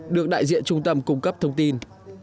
được đại diện trung tâm cung cấp thông tin